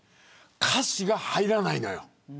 歌詞が入らないのよ。